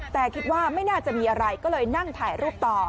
แต่คิดว่าไม่น่าจะมีอะไรก็เลยนั่งถ่ายรูปต่อ